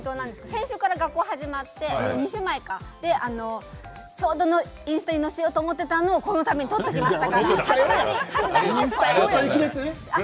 先週から学校が始まってちょうどインスタに載せようと思ってのをこのために撮りました。